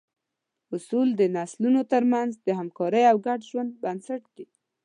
اصول د نسلونو تر منځ د همکارۍ او ګډ ژوند بنسټ دي.